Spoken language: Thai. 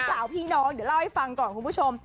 สาวพี่น้องเดี๋ยวเล่าให้ฟังก่อนคุณผู้ชม